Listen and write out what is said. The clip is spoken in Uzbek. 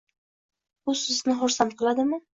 Bu sizni xursand qiladimi?